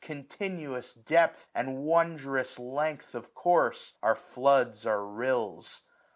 Continuous depth, and wondrous length of course. Our floods are rills.